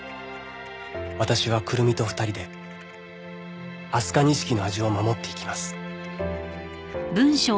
「私はくるみと二人で飛鳥錦の味を守っていきます」